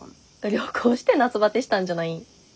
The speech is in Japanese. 旅行して夏バテしたんじゃないん。